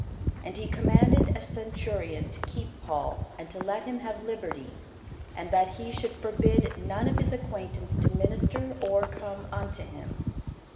And he commanded a centurion to keep Paul, and to let him have liberty, and that he should forbid none of his acquaintance to minister or come unto him.